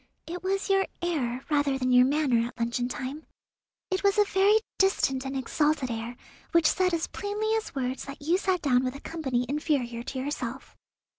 It was your air, rather than your manner at luncheon time. It was a very distant and exalted air, which said as plainly as words that you sat down with a company inferior to yourself."